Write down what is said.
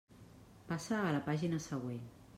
Passa a la pàgina següent.